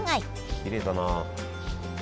きれいだな。